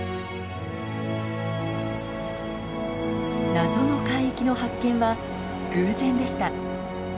謎の海域の発見は偶然でした。